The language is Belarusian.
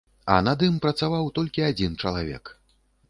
Над ім працаваў толькі адзін чалавек.